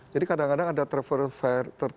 jadi kadang kadang ada travel fair tertentu